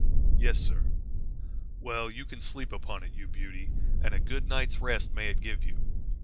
"Yes, sir." "Well, you can sleep upon it, you beauty, and a good night's rest may it give you!"